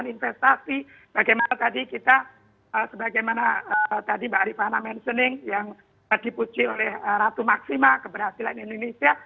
investasi bagaimana tadi kita sebagaimana tadi mbak rifana mentioning yang dipuji oleh ratu maksima keberhasilan indonesia